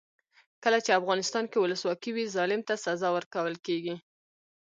کله چې افغانستان کې ولسواکي وي ظالم ته سزا ورکول کیږي.